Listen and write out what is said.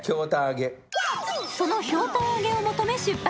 そのひょうたん揚げを求め出発。